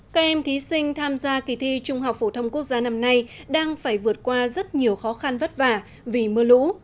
các em thí sinh tham gia kỳ thi trung học phổ thông quốc gia năm nay đang phải vượt qua rất nhiều khó khăn vất vả vì mưa lũ